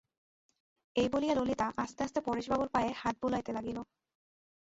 এই বলিয়া ললিতা আস্তে আস্তে পরেশবাবুর পায়ে হাত বুলাইতে লাগিল।